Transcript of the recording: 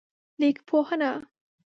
لیکپوهنه